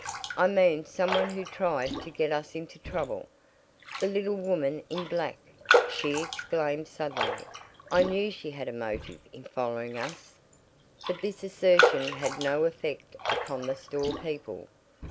"I mean some one who tried to get us into trouble. The little woman in black!" she exclaimed suddenly. "I knew she had a motive in following us!" But this assertion had no effect upon the store people.